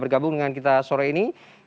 bergabung dengan kita sore ini